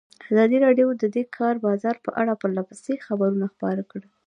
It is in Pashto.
ازادي راډیو د د کار بازار په اړه پرله پسې خبرونه خپاره کړي.